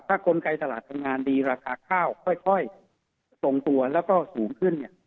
ถ้ากลไกรตลาดทำงานดีราคาข้าวค่อยตรงตัวและสูงขึ้น